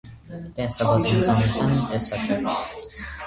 Կենսաբազմազանության մի տեսակ է։